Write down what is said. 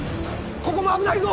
ここも危ないぞ！